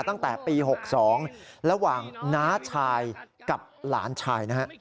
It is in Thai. ตั้งแต่ปี๖๒ระหว่างน้าชายกับหลานชายนะฮะ